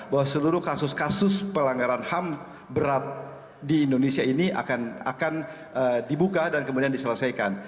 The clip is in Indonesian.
bahwa seluruh kasus kasus pelanggaran ham berat di indonesia ini akan dibuka dan kemudian diselesaikan